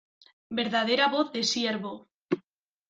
verdadera voz de siervo.